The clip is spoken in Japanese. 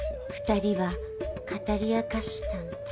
２人は語り明かしたんだ。